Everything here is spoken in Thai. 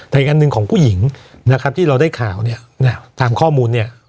แต่อีกอันหนึ่งของผู้หญิงนะครับที่เราได้ข่าวเนี่ยนะตามข้อมูลเนี่ย